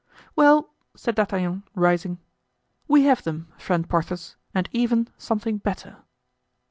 "Well," said D'Artagnan, rising, "we have them, friend Porthos, and even something better."